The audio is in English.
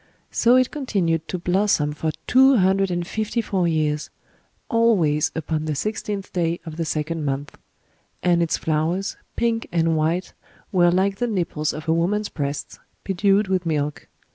So it continued to blossom for two hundred and fifty four years,—always upon the sixteenth day of the second month;—and its flowers, pink and white, were like the nipples of a woman's breasts, bedewed with milk.